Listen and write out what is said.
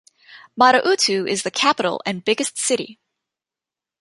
Mata-Utu is the capital and biggest city.